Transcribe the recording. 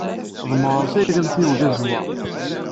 D Meɣres ay d amtiweg azewwaɣ.